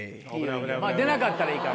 出なかったらいいから。